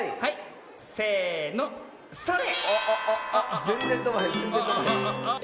せのそれ！